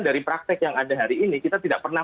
dari praktek yang ada hari ini kita tidak pernah